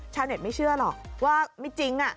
ชาวเน็ตไม่เชื่อหรอกว่าไม่จริง